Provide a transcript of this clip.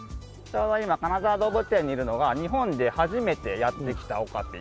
今金沢動物園にいるのが日本で初めてやって来たオカピ。